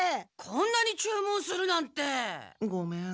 こんなに注文するなんて！ごめん。